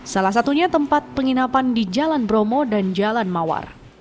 salah satunya tempat penginapan di jalan bromo dan jalan mawar